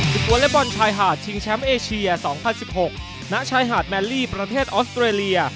วอเล็กบอลชายหาดชิงแชมป์เอเชีย๒๐๑๖ณชายหาดแมลลี่ประเทศออสเตรเลีย